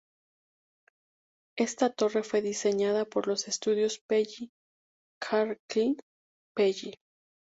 Esta torre fue diseñada por los estudios Pelli-Clarke-Pelli.